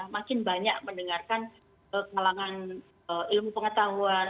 makin banyak mendengarkan kalangan ilmu pengetahuan